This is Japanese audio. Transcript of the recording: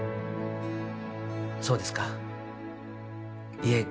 そうですかいえ